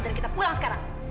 dan kita pulang sekarang